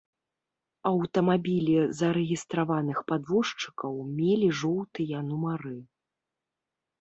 Аўтамабілі зарэгістраваных падвозчыкаў мелі жоўтыя нумары.